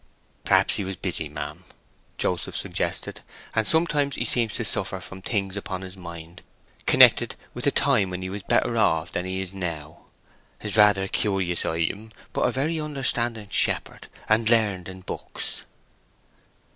"Perhaps he was busy, ma'am," Joseph suggested. "And sometimes he seems to suffer from things upon his mind, connected with the time when he was better off than 'a is now. 'A's rather a curious item, but a very understanding shepherd, and learned in books."